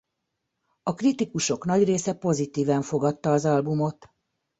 A kritikusok nagy része pozitívan fogadta az albumot.